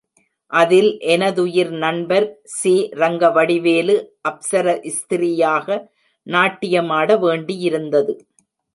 அதில் எனதுயிர் நண்பர் சி.ரங்கவடிவேலு, அப்சர ஸ்திரீயாக நாட்டியமாட வேண்டியிருந்தது.